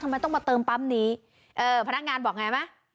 ทำไมต้องมาเติมปั๊มนี้พนักงานบอกอย่างไรไหม